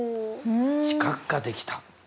視覚化できた。